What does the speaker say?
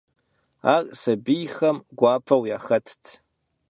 Ар сабийхэм гуапэу яхэтт.